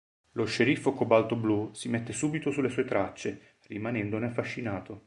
Lo sceriffo Cobalto Blu si mette subito sulle sue tracce, rimanendone affascinato.